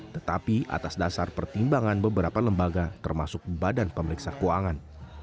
tetapi atas dasar pertimbangan beberapa lembaga termasuk badan pemeriksa keuangan